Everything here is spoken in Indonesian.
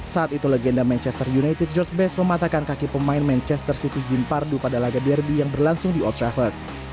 saat itu legenda manchester united george base mematakan kaki pemain manchester city gin pardu pada laga derby yang berlangsung di old travel